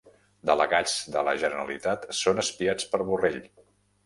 Delegats de la generalitat són espiats per Borrell